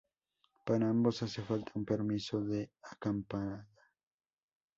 Para ambos hace falta un permiso de acampada.